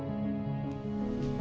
kami sering bekerja dengan